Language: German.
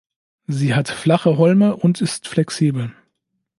Sie hat flache Holme und ist flexibel.